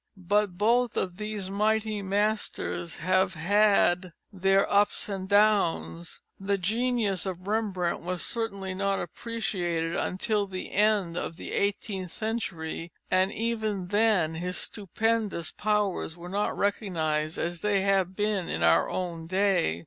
But both of these mighty masters have had their ups and downs. The genius of Rembrandt was certainly not appreciated until the end of the eighteenth century, and even then his stupendous powers were not recognised as they have been in our own day.